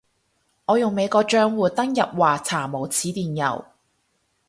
我用美國帳戶登入話查無此電郵